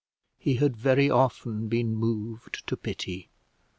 He had very often been moved to pity.